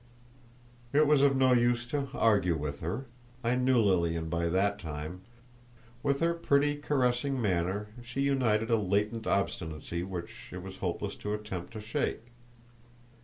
It was of no use to argue with her; I knew Lilian by that time. With her pretty, caressing manner she united a latent obstinacy which it was hopeless to attempt to shake.